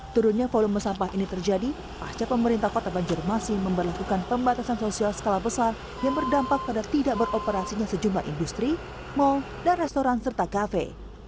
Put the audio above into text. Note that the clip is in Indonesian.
turunnya volume sampah ini terjadi pasca pemerintah kota banjarmasin memperlakukan pembatasan sosial skala besar yang berdampak pada tidak beroperasinya sejumlah industri mal dan restoran serta kafe